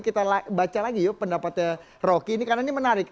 kita baca lagi yuk pendapatnya rocky ini karena ini menarik